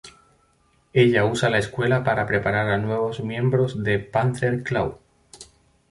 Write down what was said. Ella usa la escuela para preparar a nuevos miembros de Panther Claw.